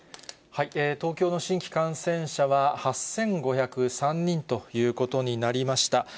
東京の新規感染者は８５０３人ということになりました。